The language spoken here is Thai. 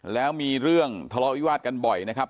แล้วมีเรื่องทะเลาะวิวาสกันบ่อยนะครับ